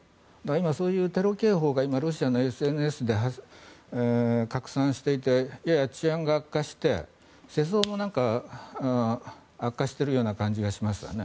今、そういうテロ警報がロシアのＳＮＳで拡散していてやや治安が悪化して世相も悪化しているような感じがしますよね。